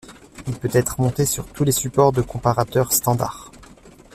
Il peut être monté sur tous les supports de comparateurs standard.